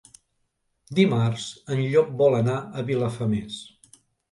Dimarts en Llop vol anar a Vilafamés.